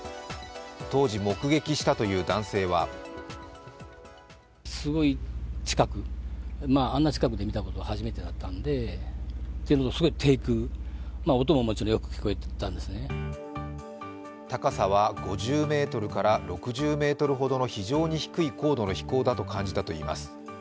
当時、目撃したという男性は高さは５０ｍから６０ｍの非常に低い高度の飛行だと感じたといいます。